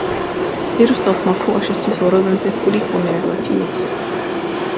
Vyrůstal s matkou a šesti sourozenci v chudých poměrech v Phoenixu.